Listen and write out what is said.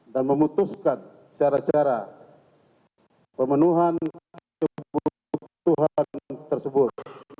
dan memutuskan cara cara pemenuhan kebutuhan tersebut